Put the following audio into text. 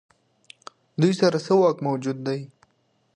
دوی سره څه واک موجود دی.